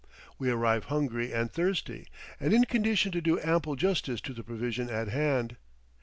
We arrive hungry and thirsty, and in condition to do ample justice to the provisions at hand.